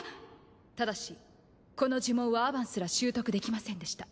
ただしこの呪文はアバンすら習得できませんでした。